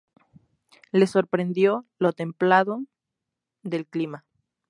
Les sorprendió lo templado del clima.